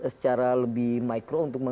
secara lebih micro untuk